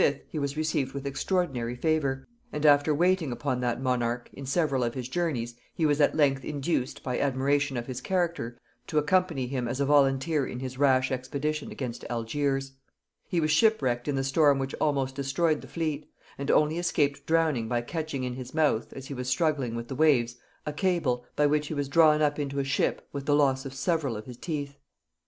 he was received with extraordinary favor; and after waiting upon that monarch, in several of his journeys, he was at length induced, by admiration of his character, to accompany him as a volunteer in his rash expedition against Algiers. He was shipwrecked in the storm which almost destroyed the fleet, and only escaped drowning by catching in his mouth, as he was struggling with the waves, a cable, by which he was drawn up into a ship with the loss of several of his teeth.